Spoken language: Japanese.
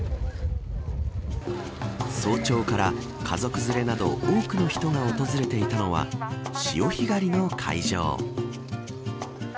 早朝から家族連れなど多くの人が訪れていたのは潮干狩りの会場。